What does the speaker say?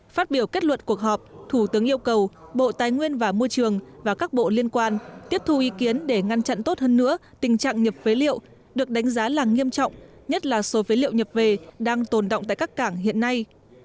phát biểu kết luận cuộc họp thủ tướng yêu cầu bộ tài nguyên và môi trường và các bộ liên quan tiếp thu ý kiến để ngăn chặn tốt hơn nữa tình trạng nhập phế liệu được đánh giá là nghiêm trọng nhất là số phế liệu nhập về đang tồn động tại các cảng hiện nay